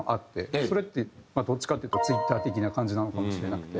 それってどっちかっていうとＴｗｉｔｔｅｒ的な感じなのかもしれなくて。